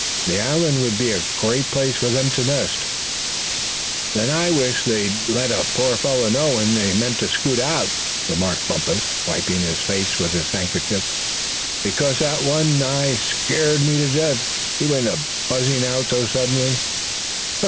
The island would be a great place for their nests." "Then I wish they'd let a poor feller know when they meant to scoot off," remarked Bumpus, wiping his face with his handkerchief; "because that one nigh scared me to death, he went buzzing off so sudden like."